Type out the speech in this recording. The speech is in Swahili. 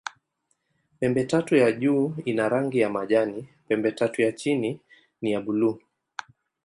Pembetatu ya juu ina rangi ya majani, pembetatu ya chini ni ya buluu.